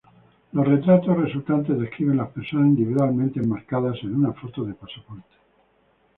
Los "Retratos" resultantes describen las personas individuales enmarcadas en una foto de pasaporte.